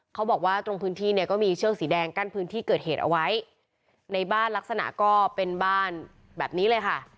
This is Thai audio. เขาบอกว่าตรงพื้นที่เนี่ยก็มีเชือกสีแดงกั้นพื้นที่เกิดเหตุเอาไว้ในบ้านลักษณะก็เป็นบ้านแบบนี้เลยค่ะ